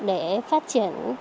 để phát triển